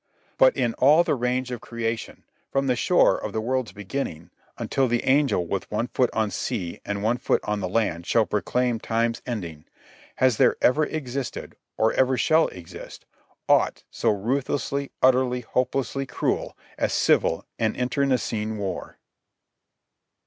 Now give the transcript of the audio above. But in all the range of Creation, from the shore of the world's beginning until the Angel with one foot on sea and one foot on the land shall proclaim time's ending, has there ever existed, or ever shall exist, aught so ruthlessly, utterly, hopelessly cruel as civil and internecine war